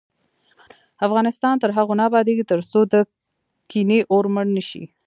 افغانستان تر هغو نه ابادیږي، ترڅو د کینې اور مړ نشي.